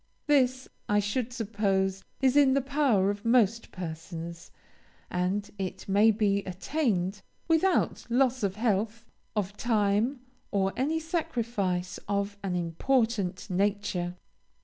This, I should suppose, is in the power of most persons; and it may be attained without loss of health, of time, or any sacrifice of an important nature.